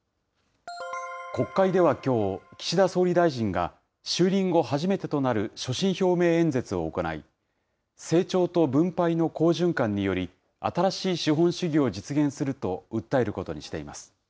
国会ではきょう、岸田総理大臣が就任後初めてとなる所信表明演説を行い、成長と分配の好循環により、新しい資本主義を実現すると訴えることにしています。